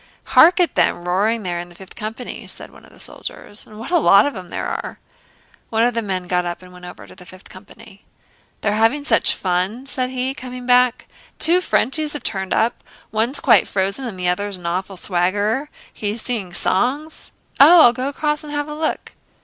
"Hark at them roaring there in the Fifth Company!" said one of the soldiers, "and what a lot of them there are!" One of the men got up and went over to the Fifth Company. "They're having such fun," said he, coming back. "Two Frenchies have turned up. One's quite frozen and the other's an awful swaggerer. He's singing songs...." "Oh, I'll go across and have a look...."